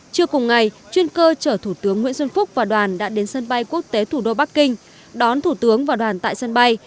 chưa cùng ngày chuyên cơ chở thủ tướng nguyễn xuân phúc và đoàn đã đến sân bay quốc tế thủ đô bắc kinh đón thủ tướng và đoàn tại sân bay